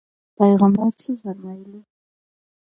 پیغمبر څه فرمایلي؟